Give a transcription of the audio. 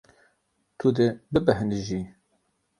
Tu dê bibêhnijî.